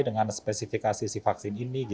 dengan spesifikasi si vaksin ini